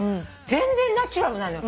全然ナチュラルなのよ。